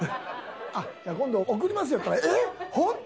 「今度送りますよ」って言ったら「えっ！本当に！？」